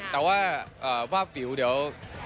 ตัวว่าบาปฟิวเดี๋ยว